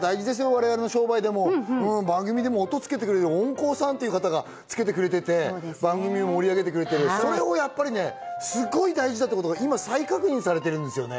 我々の商売でも番組でも音つけてくれる音効さんという方がつけてくれてて番組を盛り上げてくれてるそれをやっぱりすごい大事だってことが今再確認されてるんですよね